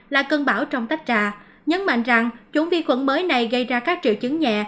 là cơn bão trong tách trà nhấn mạnh rằng chủng vi khuẩn mới này gây ra các triệu chứng nhẹ